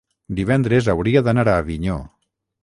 divendres hauria d'anar a Avinyó.